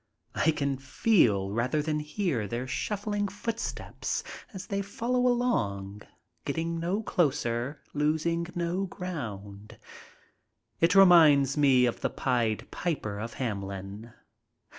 I can feel rather than hear their shuffling footsteps as they follow along, getting no closer, losing no ground. It reminds me of "The Pied Piper of Hamelin."